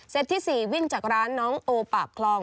ที่๔วิ่งจากร้านน้องโอปากคลอง